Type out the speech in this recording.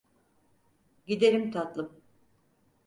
Gidelim tatlım.